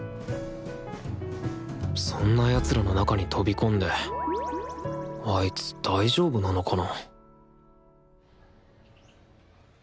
そんな奴らの中に飛び込んであいつ大丈夫なのかな？